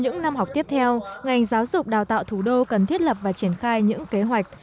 trong cuộc tiếp theo ngành giáo dục đào tạo thủ đô cần thiết lập và triển khai những kế hoạch